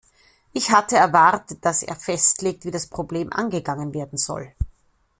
Ich hatte erwartet, dass er festlegt, wie das Problem angegangen werden soll.